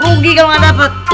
lungi kalau nggak dapet